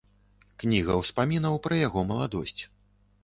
Кніга ўспамінаў пра яго маладосць.